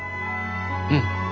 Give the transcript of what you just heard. うん。